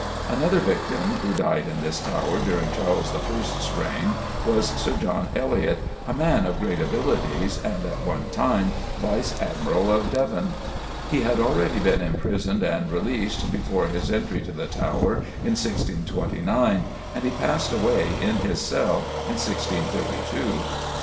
Another victim, who died in this tower during Charles I.'s reign, was Sir John Eliot, a man of great abilities and at one time Vice Admiral of Devon. He had already been imprisoned, and released, before his entry to the Tower in 1629, and he passed away, in his cell, in 1632. Mr.